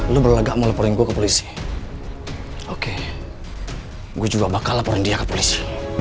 lu berlagak mau laporin gua ke polisi oke gue juga bakal laporin dia ke polisi